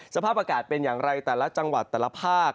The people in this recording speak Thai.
สภาพอากาศเป็นอย่างไรแต่ละจังหวัดแต่ละภาค